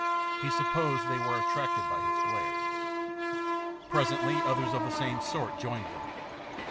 He supposed they were attracted by his glare. Presently others of the same sort joined them.